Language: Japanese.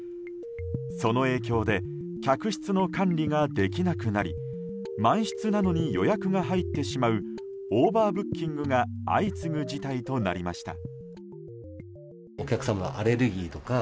その影響で客室の管理ができなくなり満室なのに予約が入ってしまうオーバーブッキングが相次ぐ事態となりました。